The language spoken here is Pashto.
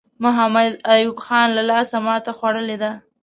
محمد ایوب خان له لاسه ماته خوړلې ده.